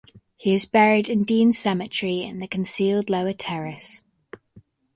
He is buried in Dean Cemetery in the concealed lower terrace.